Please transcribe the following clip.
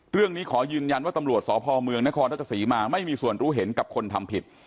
เรื่องนี้ขอยืนยันว่าตำรวจสพเมืองนครราชสีมาไม่มีส่วนรู้เห็นกับคนทำผิด